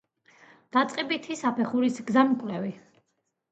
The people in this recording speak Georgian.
დაწყებითი საფეხურის გზამკვლევი